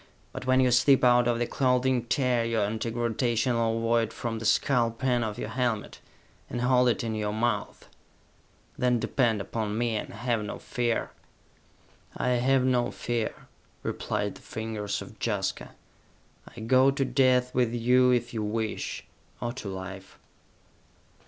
But, when you slip out of your clothing, tear your anti gravitational ovoid from the skull pan of your helmet, and hold it in your mouth! Then depend upon me, and have no fear!" "I have no fear," replied the fingers of Jaska. "I go to death with you if you wish or to Life!"